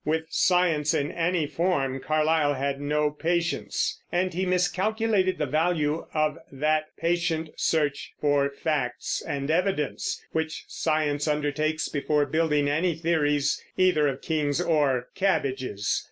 With science in any form Carlyle had no patience; and he miscalculated the value of that patient search for facts and evidence which science undertakes before building any theories, either of kings or cabbages.